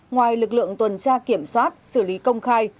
ngoài lực lượng tuần tra kiểm soát xử lý công khai